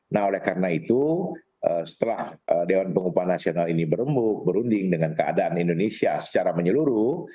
nah oleh karena itu setelah dewan pengupahan nasional ini berunding dengan keadaan indonesia secara menyeluruh